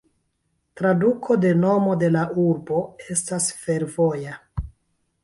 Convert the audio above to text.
Traduko de nomo de la urbo estas "fervoja".